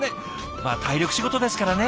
まあ体力仕事ですからね。